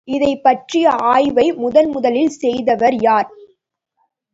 இதைப் பற்றிய ஆய்வை முதன்முதலில் செய்தவர் யார்?